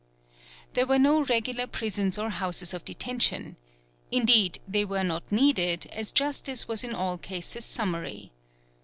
There were no regular prisons or houses of detention. Indeed they were not needed, as justice was in all cases summary.